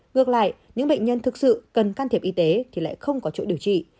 ngược lại những bệnh nhân thực sự cần can thiệp y tế thì lại không có chỗ điều trị